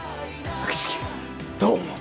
秋月どう思う？